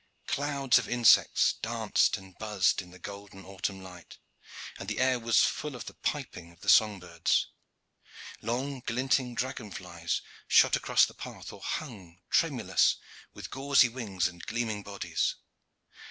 Clouds of insects danced and buzzed in the golden autumn light, and the air was full of the piping of the song birds. Long, glinting dragonflies shot across the path, or hung tremulous with gauzy wings and gleaming bodies.